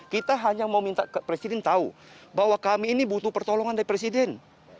kita hanya mau minta presiden tahu bahwa kami ini butuh pertolongan dari presiden